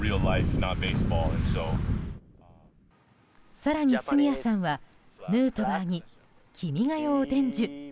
更に杉谷さんはヌートバーに「君が代」を伝授。